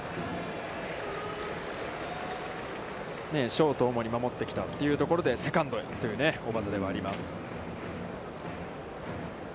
ショートを主に守ってきたというところでセカンドへという小幡ではあります。